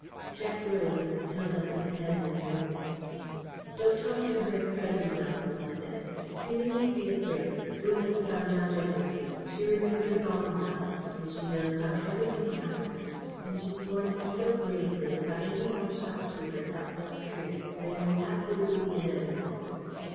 Jack rose and held up his hand in warning. "Don't talk to her at present, Elsie," he said. "You needn't be afraid. Una's found out everything. She remembers all now. And she knows how everything happened. And she's borne it so bravely, without any more shock to her health and strength than was absolutely inevitable.